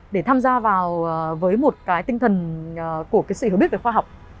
để tham gia vào với một cái tinh thần của cái sự hiểu biết về khoa học